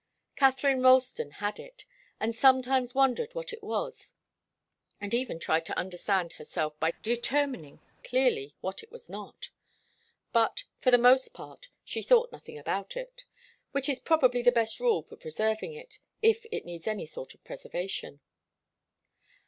Katharine Ralston had it, and sometimes wondered what it was, and even tried to understand herself by determining clearly what it was not. But for the most part she thought nothing about it, which is probably the best rule for preserving it, if it needs any sort of preservation.